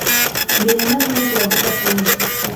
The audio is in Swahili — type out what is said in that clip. Binadamu wote wavuta pumzi